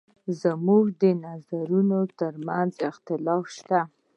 زموږ د نظرونو تر منځ اختلاف شته.